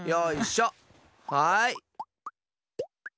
はい。